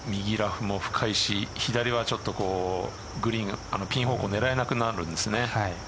この右ラフも深いし左はちょっとグリーン、ピン方向を狙えなくなるんですね。